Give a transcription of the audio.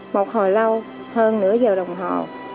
một hồi lâu hơn nửa giờ đồng hồ